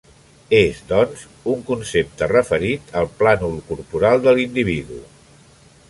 És, doncs, un concepte referit al plànol corporal de l’individu.